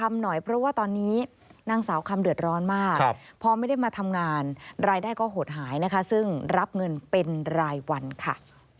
มาทำงานรายได้ก็หดหายนะคะซึ่งรับเงินเป็นรายวันค่ะ